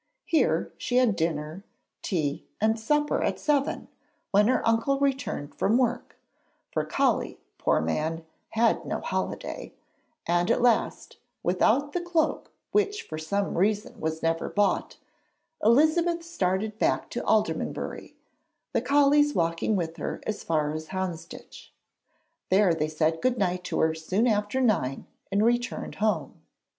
Here she had dinner, tea, and supper at seven when her uncle returned from work for Colley, poor man, had no holiday and at last, without the cloak which for some reason was never bought, Elizabeth started back to Aldermanbury, the Colleys walking with her as far as Houndsditch. There they said good night to her soon after nine, and returned home.